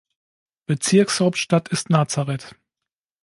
Bezirkshauptstadt ist Nazaret.